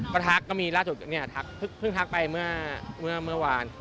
ก็ทักก็มีล่าจุดเนี่ยทักเพิ่งทักไปเมื่อเมื่อวาน